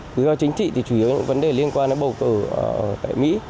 rủi ro chính trị thì chủ yếu là vấn đề liên quan đến bầu cử tại mỹ